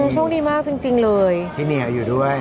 โชคดีมากจริงเลยพี่เหนียวอยู่ด้วย